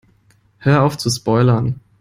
Hör auf zu spoilern!